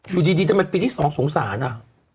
อยู่ดีทำไมปีที่๒สงสารอ่ะ